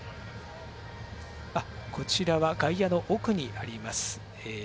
こちらは、外野の奥にあります